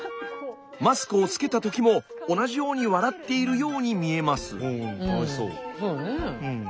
マスクをつけた時も同じように笑っているように見えます。